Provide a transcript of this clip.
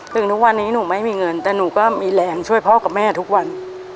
ถึงทุกวันนี้หนูไม่มีเงินแต่หนูก็มีแรงช่วยพ่อกับแม่ทุกวัน